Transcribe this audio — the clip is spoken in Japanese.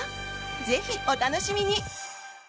ぜひお楽しみに！